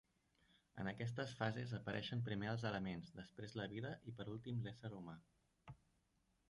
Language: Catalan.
En aquestes fases apareixen primer els elements, després la vida i per últim l'ésser humà.